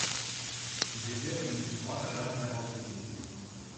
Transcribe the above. Sie wird in Rotterdam herausgegeben.